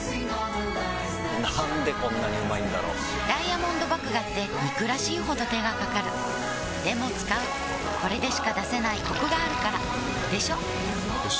なんでこんなにうまいんだろうダイヤモンド麦芽って憎らしいほど手がかかるでも使うこれでしか出せないコクがあるからでしょよ